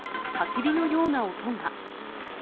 たき火のような音が。